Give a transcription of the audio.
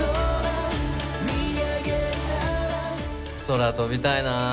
空飛びたいなあ。